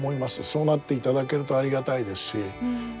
そうなっていただけるとありがたいですし